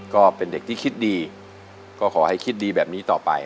ก็เป็นเด็กที่คิดดีก็ขอให้คิดดีแบบนี้ต่อไป